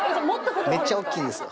めっちゃ大きいです。